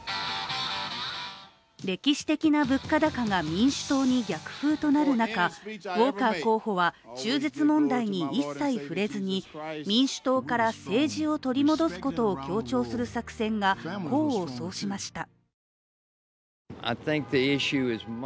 歴史的な物価高が、民主党に逆風となる中ウォーカー候補は中絶問題に一切触れずに民主党から政治を取り戻すことを強調する作戦が功を奏しました。